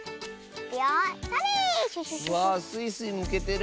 わあスイスイむけてる。